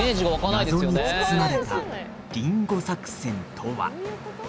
謎に包まれたリンゴ作戦とは？